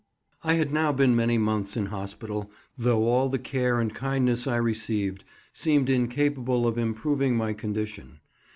I HAD now been many months in hospital, though all the care and kindness I received seemed incapable of improving my condition.